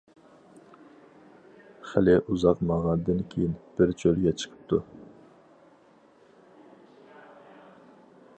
خېلى ئۇزاق ماڭغاندىن كىيىن بىر چۆلگە چىقىپتۇ.